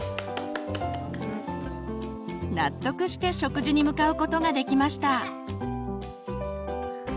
納得して食事に向かうことができました。